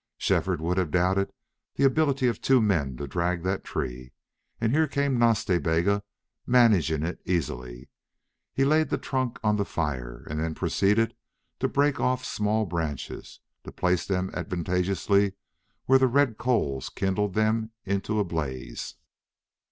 Shefford would have doubted the ability of two men to drag that tree, and here came Nas Ta Bega, managing it easily. He laid the trunk on the fire, and then proceeded to break off small branches, to place them advantageously where the red coals kindled them into a blaze.